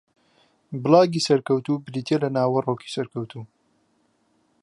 بڵاگی سەرکەوتوو بریتییە لە ناوەڕۆکی سەرکەوتوو